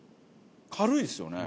軽いですよね。